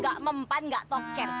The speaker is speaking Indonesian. gak mempan gak tokcer